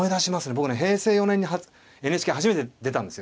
僕ね平成４年にＮＨＫ初めて出たんですよ。